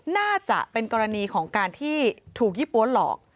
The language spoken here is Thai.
น่าจะเป็นกรณีของการที่ถูกยี่ปั๊วหลอก